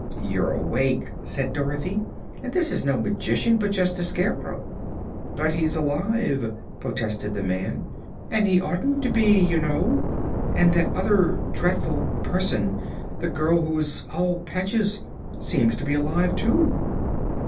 "You're awake," said Dorothy, "and this is no magician, but just the Scarecrow." "But he's alive," protested the man, "and he oughtn't to be, you know. And that other dreadful person the girl who is all patches seems to be alive, too."